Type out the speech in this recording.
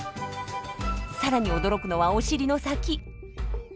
さらに驚くのはお尻の先。